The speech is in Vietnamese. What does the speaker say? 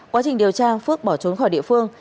quá trình điều tra phước bỏ trốn khỏi địa phương